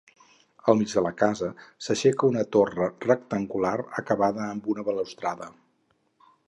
Al mig de la casa s'aixeca una torre rectangular acabada amb una balustrada.